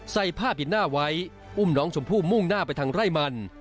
ใส่ผ้าปิดหน้าไว้อุ้มน้องชมพู่มุ่งหน้าไปทางไร่มัน